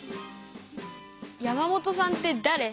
「山本さんってだれ？」。